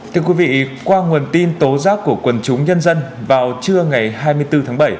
thưa quý vị qua nguồn tin tố giác của quần chúng nhân dân vào trưa ngày hai mươi bốn tháng bảy